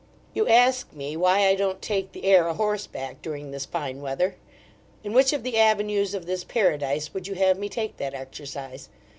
You ask me, why I don't take the air a horseback, during this fine weather? In which of the avenues of this paradise would you have me take that exercise?